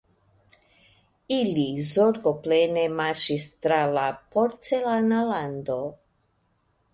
Ili zorgoplene marŝis tra la porcelana lando.